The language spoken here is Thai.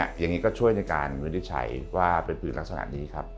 อย่างนี้ก็ช่วยในการวินิจฉัยว่าเป็นผื่นลักษณะนี้ครับ